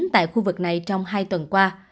tại khu vực này trong hai tuần qua